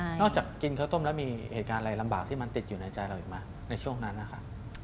นอกจากกินข้าวต้มแล้วมีเหตุการณ์อะไรลำบากที่มันติดอยู่ในใจเราอีกไหมในช่วงนั้นนะคะ